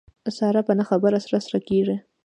ساره په نه خبره سره سره کېږي.